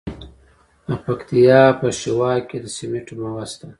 د پکتیا په شواک کې د سمنټو مواد شته.